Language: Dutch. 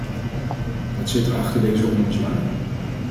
Wat zit er achter deze ommezwaai?